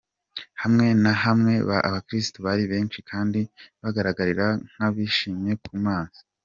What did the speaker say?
Hamwe na hamwe abakirisito bari benshi kandi bagaragara nk’abishimye ku maso :.